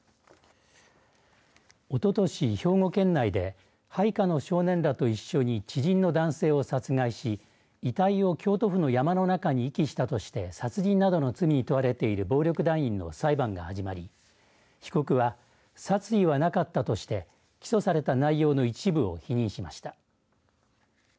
おととし、兵庫県内で配下の少年らと一緒に知人の男性を殺害し遺体を京都府の山の中に遺棄したとして殺人などの罪に問われている暴力団員の裁判が始まり、被告は殺意はなかったとして起訴された内容の一部を否認しました。